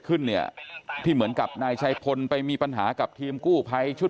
ขึ้นเนี่ยที่เหมือนกับนายชัยพลไปมีปัญหากับทีมกู้ภัยชุด